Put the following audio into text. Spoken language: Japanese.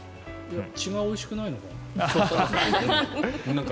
血がおいしくないのかな。